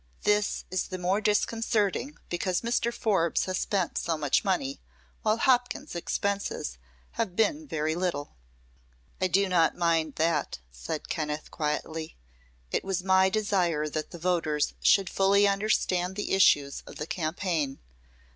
This is the more discouraging because Mr. Forbes has spent so much money, while Hopkins's expenses have been very little." "I do not mind that," said Kenneth, quietly. "It was my desire that the voters should fully understand the issues of the campaign.